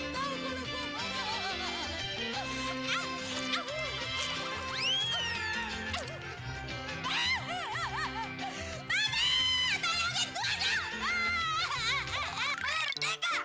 lu belum paham deh